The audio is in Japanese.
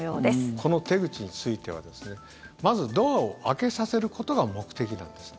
この手口についてはですねまずドアを開けさせることが目的なんです。